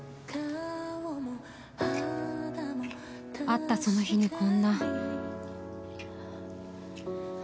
会ったその日にこんな。